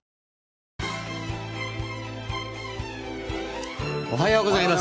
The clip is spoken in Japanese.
わぁおはようございます。